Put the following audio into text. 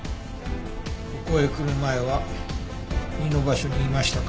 ここへ来る前は２の場所にいましたか？